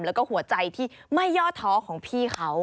แล้วก็หัวใจที่ไม่ย่อท้อของพี่เขา